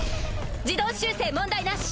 自動修正問題なし。